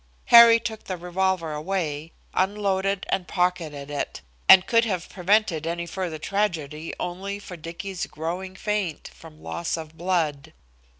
Harry took the revolver away, unloaded and pocketed it, and could have prevented any further tragedy only for Dicky's growing faint from loss of blood.